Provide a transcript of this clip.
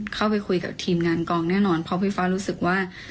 เข้าไปคุยกับทีมงานกองแน่นอนเพราะพี่ฟ้ารู้สึกว่า